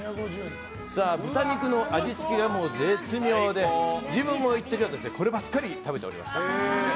豚肉の味付けが絶妙で自分も一時はこればかり食べておりました。